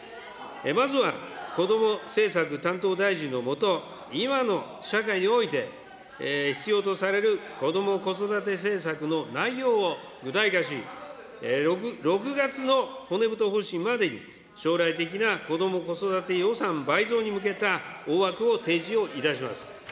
まずはこども政策担当大臣の下、今の社会において必要とされるこども・子育て政策の内容を具体化し、６月の骨太方針までに、将来的なこども・子育て予算倍増に向けた大枠を提示をいたします。